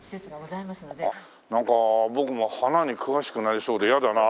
なんか僕も花に詳しくなりそうで嫌だな。